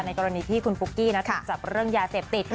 กรณีที่คุณปุ๊กกี้ถูกจับเรื่องยาเสพติด